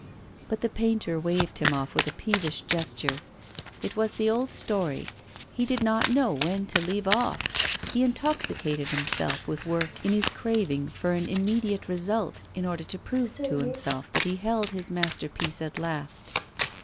But the painter waved him off with a peevish gesture. It was the old story he did not know when to leave off; he intoxicated himself with work in his craving for an immediate result, in order to prove to himself that he held his masterpiece at last.